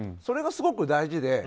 それがすごく大事で。